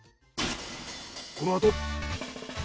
このあと。